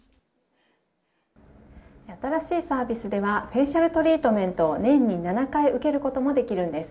新しいサービスではフェイシャルトリートメントを年に７回受けることもできるんです。